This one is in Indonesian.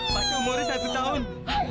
masih umur satu tahun